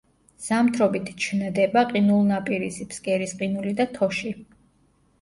ზამთრობით ჩნდება ყინულნაპირისი, ფსკერის ყინული და თოში.